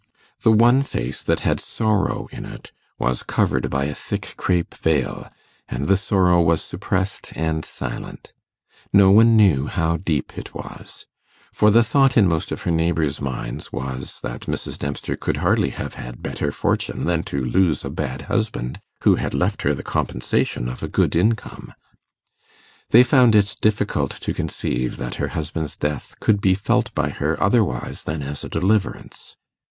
The one face that had sorrow in it was covered by a thick crape veil, and the sorrow was suppressed and silent. No one knew how deep it was; for the thought in most of her neighbours' minds was, that Mrs. Dempster could hardly have had better fortune than to lose a bad husband who had left her the compensation of a good income. They found it difficult to conceive that her husband's death could be felt by her otherwise than as a deliverance.